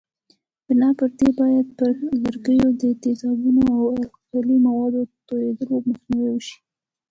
بنا پر دې باید پر لرګیو د تیزابونو او القلي موادو توېدلو مخنیوی وشي.